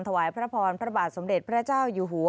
ถวายพระพรพระบาทสมเด็จพระเจ้าอยู่หัว